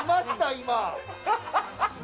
今。